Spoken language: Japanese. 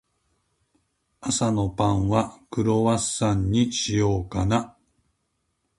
朝のパンは、クロワッサンにしようかな。